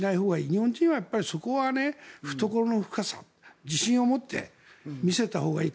日本人はそこは懐の深さ自信を持って見せたほうがいい。